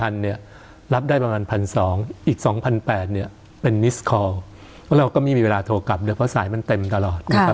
๔๐๐๐เนี่ยรับได้ประมาณ๑๒๐๐อีก๒๘๐๐เนี่ยเป็นนิสคอลแล้วเราก็ไม่มีเวลาโทรกลับเลยเพราะสายมันเต็มตลอดนะครับ